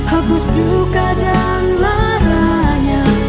hapus duka dan laranya